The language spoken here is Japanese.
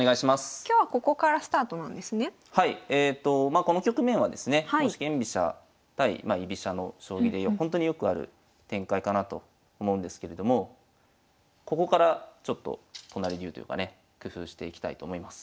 まあこの局面はですね四間飛車対居飛車の将棋でほんとによくある展開かなと思うんですけれどもここからちょっと都成流というかね工夫していきたいと思います。